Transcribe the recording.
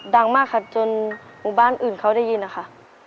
ดังมากค่ะจนหมู่บ้านอื่นเขาได้ยินนะคะ